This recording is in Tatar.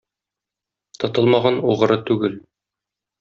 Тотылмаган - угры түгел.